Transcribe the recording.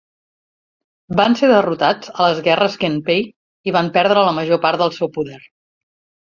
Van ser derrotats a les guerres Genpei i van perdre la major part del seu poder.